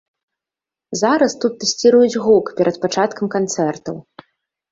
Зараз тут тэсціруюць гук перад пачаткам канцэртаў.